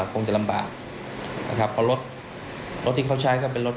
คงจะลำบากนะครับเพราะรถรถที่เขาใช้ก็เป็นรถ